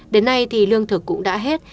đến nay thì lương thực cũng đã hết